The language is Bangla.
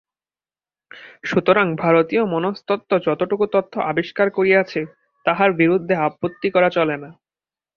সুতরাং ভারতীয় মনস্তত্ত্ব যতটুকু তথ্য আবিষ্কার করিয়াছে, তাহার বিরুদ্ধে আপত্তি করা চলে না।